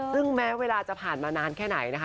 ซึ่งแม้เวลาจะผ่านมานานแค่ไหนนะคะ